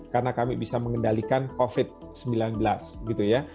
karena kami bisa mengendalikan covid sembilan belas